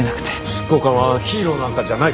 執行官はヒーローなんかじゃない。